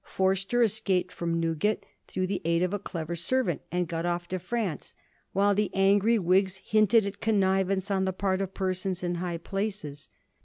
Forster escaped from Newgate, through the aid of a clever fiervant, and got off to France, while the angry Whigs hinted at connivance on the part of persons in high places.